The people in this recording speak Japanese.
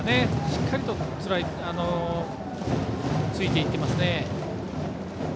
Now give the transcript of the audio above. しっかりとついていっていますね。